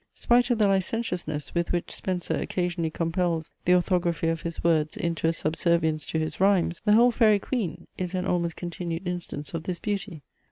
Spite of the licentiousness with which Spenser occasionally compels the orthography of his words into a subservience to his rhymes, the whole FAIRY QUEEN is an almost continued instance of this beauty.